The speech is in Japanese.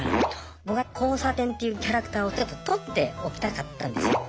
僕は交差点というキャラクターをちょっと取っておきたかったんですよ。